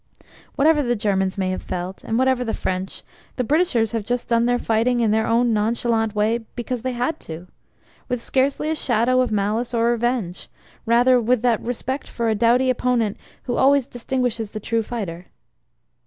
Whatever the Germans may have felt, and whatever the French, the Britishers have just done their fighting in their own nonchalant way "because they had to" with scarcely a shadow of malice or revenge rather with that respect for a doughty opponent which always distinguishes the true fighter.